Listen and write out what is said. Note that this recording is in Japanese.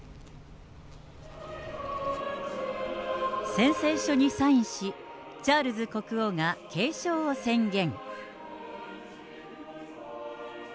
宣誓書にサインし、チャールズ国王が継承を宣言。